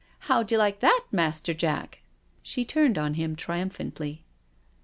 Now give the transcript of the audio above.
How'd you like that, Master Jack?" She turned on him triumphantly.